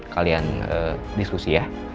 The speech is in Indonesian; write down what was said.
kalian diskusi ya